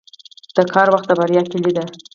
• د کار وخت د بریا کلي ده.